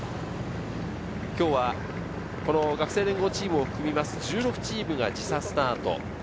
今日はこの学生連合チームを含みます１６チームが時差スタート。